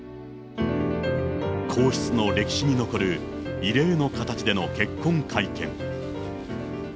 皇室の歴史に残る異例の形での結婚会見。